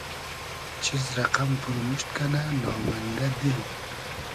چیز رئقئم پورموشت کئنۂ نامئندۂ دیل